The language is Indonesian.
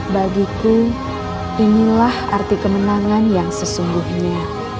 bagi ku inilah arti kemenangan yang sesungguhnya